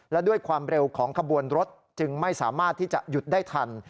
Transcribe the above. และด้วยความเร็วของขบวนรถจึงไม่สามารถที่จะหยุดได้ทัน